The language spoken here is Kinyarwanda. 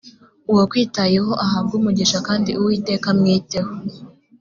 uwakwitayeho ahabwe umugisha kandi uwiteka amwiteho